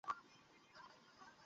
আমি আরো একটু অ্যাপল পাই খাব!